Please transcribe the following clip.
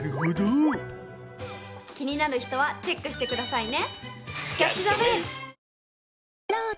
気になる人はチェックしてくださいね。